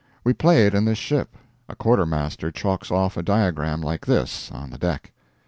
We play it in this ship. A quartermaster chalks off a diagram like this on the deck.